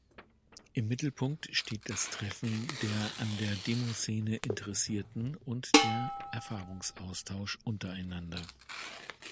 Im Mittelpunkt steht das Treffen der an der Demoszene Interessierten und der Erfahrungsaustausch untereinander.